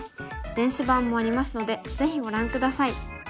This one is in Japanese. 電子版もありますのでぜひご覧下さい。